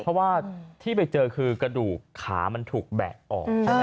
เพราะว่าที่ไปเจอคือกระดูกขามันถูกแบะออกใช่ไหม